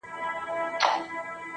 د اووم جنم پر لاره، اووه واره فلسفه يې,